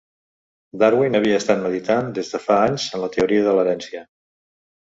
Darwin havia estat meditant des de fa anys en la teoria de l'herència.